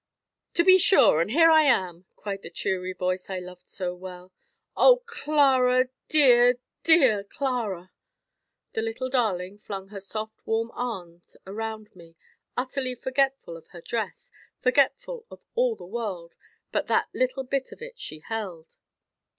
"To be sure, and here I am!" cried the cheery voice I loved so well. "Oh, Clara dear, dear Clara!" The little darling flung her soft warm arms around me, utterly forgetful of her dress, forgetful of all the world, but that little bit of it she held.